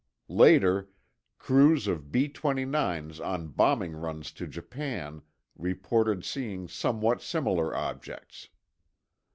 Later, crews of B 29'S on bombing runs to Japan reported seeing somewhat similar objects.